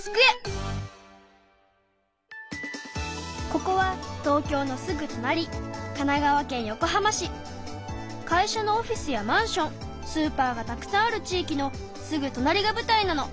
ここは東京のすぐとなり会社のオフィスやマンションスーパーがたくさんある地いきのすぐとなりがぶたいなの。